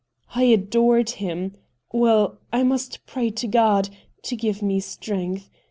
' I adored him. Well, I must pray to God to give me strength.